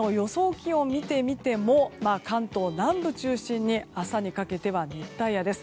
気温を見てみても関東南部中心に朝にかけては熱帯夜です。